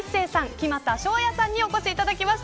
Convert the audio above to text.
木全翔也さんにお越しいただきました。